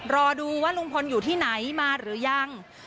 รอดูว่าลุงพลอยู่ที่ไหนมาหรือยัง